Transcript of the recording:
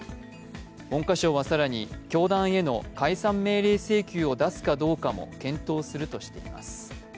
文科省は更に教団への解散命令請求を出すかどうかも検討するとしています。